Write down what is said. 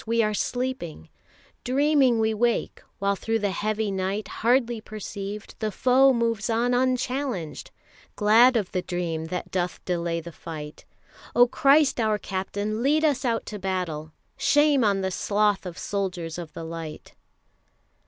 We are sleeping, Dreaming we wake, while through the heavy night Hardly perceived, the foe moves on unchallenged, Glad of the dream that doth delay the fight. O Christ our Captain, lead us out to battle! Shame on the sloth of soldiers of the light!